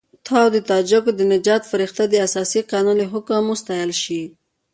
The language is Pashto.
ته وا د تاجکو د نجات فرښته د اساسي قانون له حکم وستایل شي.